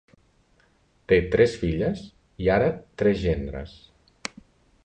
Té tres filles i ara tres gendres.